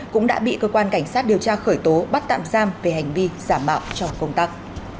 cũng đã bị cơ quan cảnh sát điều tra khởi tố bắt tạm giam về hành vi giả mạo trong công tác